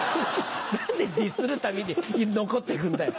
何でディスるために残って行くんだよ。